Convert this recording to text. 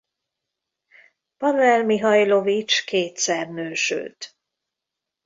Pavel Mihajlovics kétszer nősült.